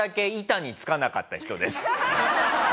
板につかなかった人です。